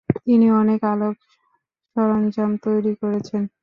তিনি অনেক আলোক সরঞ্জাম তৈরি করেছেন।